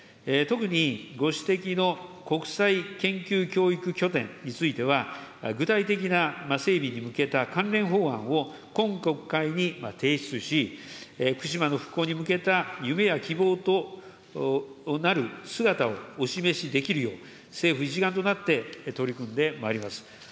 特にご指摘の国際研究教育拠点については、具体的な整備に向けた関連法案を今国会に提出し、福島の復興に向けた夢や希望となる姿をお示しできるよう、政府一丸となって取り組んでまいります。